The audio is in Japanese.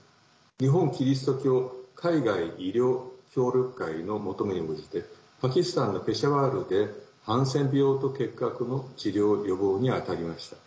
日本キリスト教海外医療協力会の求めに応じてパキスタンのペシャワールでハンセン病と結核の治療、予防に当たりました。